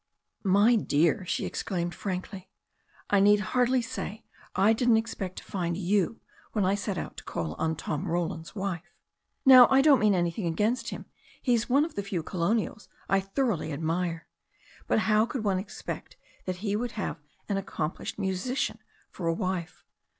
"My dear," she exclaimed frankly, "I need hardly say I didn't expect to find you when I set out to call on Tom Roland's wife. Now, I don't mean anything against him. He's one of the few colonials I thoroughly admire. But how could one expect that he would have an accomplished, musician for a wife.